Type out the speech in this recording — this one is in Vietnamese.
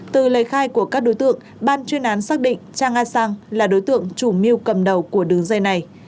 từ lời khai của các đối tượng ban chuyên án xác định cha nga sang là đối tượng chủ mưu cầm đầu của đường dây này